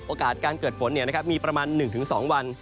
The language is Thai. โอกาสการเกิดฝนเนี่ยนะครับมีประมาณ๑๒วัน